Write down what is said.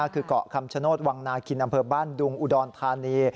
คือเกาะคำชโนธวังนาคินอำเภอบ้านดุงอุดรธานี